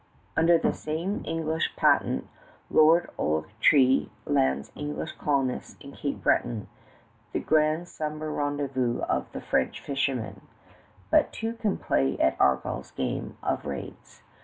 Under the same English patent Lord Ochiltree lands English colonists in Cape Breton, the grand summer rendezvous of the French fishermen; but two can play at Argall's game of raids.